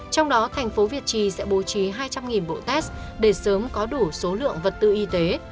trong đó thành phố việt trì sẽ bố trí hai trăm linh bộ test để sớm có đủ số lượng vật tư y tế